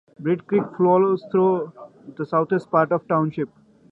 Britt Creek flows through the southwest part of the township.